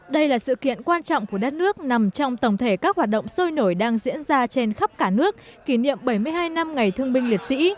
đây là sự kiện quan trọng của đất nước nằm trong tổng thể các hoạt động sôi nổi đang diễn ra trên khắp cả nước kỷ niệm bảy mươi hai năm ngày thương binh liệt sĩ